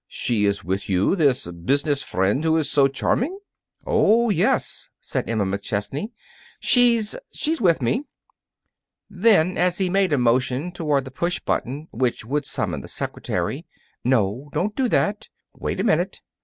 "She is with you, this business friend who is also so charming?" "Oh, yes," said Emma McChesney, "she's she's with me." Then, as he made a motion toward the push button, which would summon the secretary: "No, don't do that! Wait a minute!"